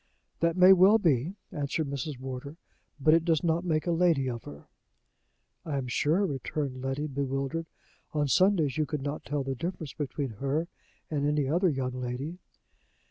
"That may well be," answered Mrs. Wardour, "but it does not make a lady of her." "I am sure," returned Letty, bewildered, "on Sundays you could not tell the difference between her and any other young lady."